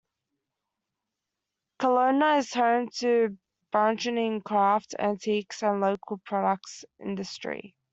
Kalona is home to a burgeoning craft, antiques and local products industry.